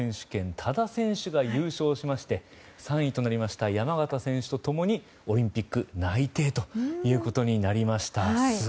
多田選手が優勝しまして３位となりました山縣選手と共にオリンピック内定となりました。